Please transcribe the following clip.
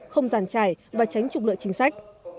không giàn trải và tránh trục lợi chính sách